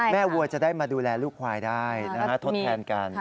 วัวจะได้มาดูแลลูกควายได้นะฮะทดแทนกัน